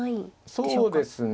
そうですね。